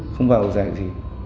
không vào được giải gì